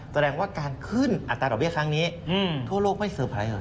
แสดงว่าการขึ้นอัตราดอกเบี้ยครั้งนี้ทั่วโลกไม่เซอร์ไพรส์เลย